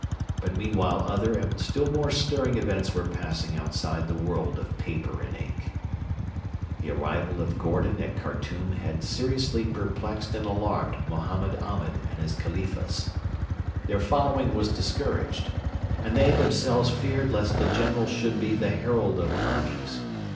But meanwhile other and still more stirring events were passing outside the world of paper and ink. The arrival of Gordon at Khartoum had seriously perplexed and alarmed Mohammed Ahmed and his Khalifas. Their following was discouraged, and they themselves feared lest the General should be the herald of armies.